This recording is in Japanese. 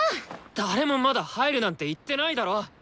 誰もまだ入るなんて言ってないだろ！